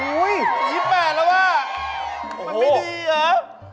อุ๊ยเป็น๒๘แล้วว่ะมันไม่ดีเหรอ